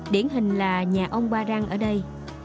điển hình là nhà ông ba răng ở đây